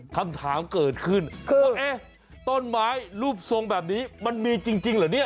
คำถามเกิดขึ้นว่าเอ๊ะต้นไม้รูปทรงแบบนี้มันมีจริงเหรอเนี่ย